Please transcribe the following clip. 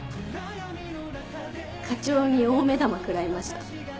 課長に大目玉食らいました。